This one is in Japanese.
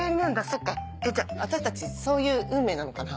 そっかじゃ私たちそういう運命なのかな？